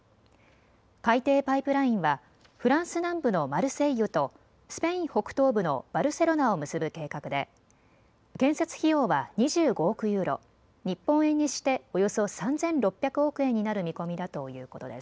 海底パイプラインはフランス南部のマルセイユとスペイン北東部のバルセロナを結ぶ計画で建設費用は２５億ユーロ、日本円にしておよそ３６００億円になる見込みだということです。